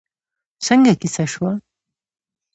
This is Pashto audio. څنګه کېسه شوه؟